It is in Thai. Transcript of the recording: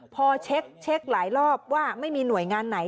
พอเช็คหลายรอบว่าไม่มีหน่วยงานไหน